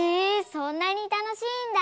そんなにたのしいんだ。